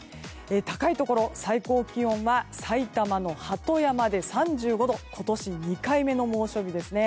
高いところ最高気温は埼玉の鳩山で３５度今年２回目の猛暑日ですね。